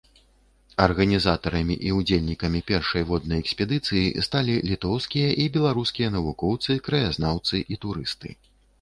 Арганізатарамі і ўдзельнікамі першай воднай экспедыцыі сталі літоўскія і беларускія навукоўцы, краязнаўцы і турысты.